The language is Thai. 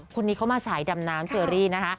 คนนี้เขามาสายดำน้ำเชอรี่นะคะ